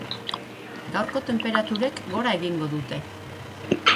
Gaurko tenperaturek gora egingo dute.